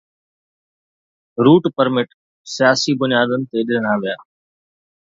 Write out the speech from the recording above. Route permit سياسي بنيادن تي ڏنا ويا.